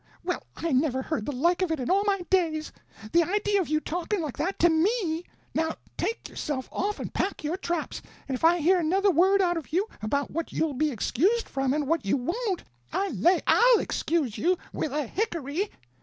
Well, I never heard the like of it in all my days! The idea of you talking like that to me! Now take yourself off and pack your traps; and if I hear another word out of you about what you'll be excused from and what you won't, I lay I'll excuse you—with a hickory!"